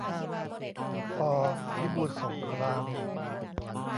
ป. พิบูลสงคราม